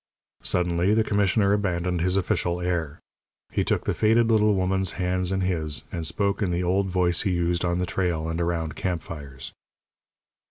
Suddenly the commissioner abandoned his official air. He took the faded little woman's hands in his, and spoke in the old voice he used on the trail and around campfires.